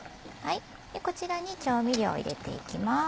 こちらに調味料を入れていきます。